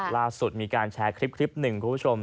ล่าสุดมีการแชร์คลิปหนึ่งคุณผู้ชม